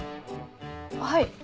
はい。